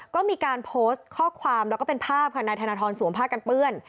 ก็มีการโพสต์ข้อความแล้วก็เป็นภาพค่ะนายธนทรสวมผ้ากันเปื้อน